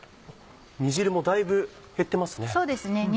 煮汁もだいぶ減ってますね。